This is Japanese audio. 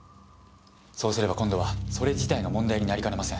そうすれば今度はそれ自体が問題になりかねません。